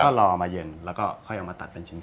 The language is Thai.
ก็รอมาเย็นแล้วก็ค่อยเอามาตัดเป็นชิ้น